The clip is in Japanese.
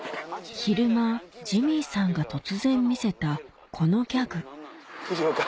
昼間ジミーさんが突然見せたこのギャグ藤岡。